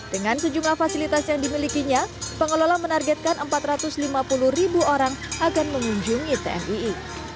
dengan sejumlah fasilitas yang dimilikinya pengelola menargetkan empat ratus lima puluh ribu orang akan mengunjungi tmii